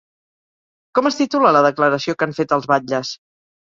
Com es titula la declaració que han fet els batlles?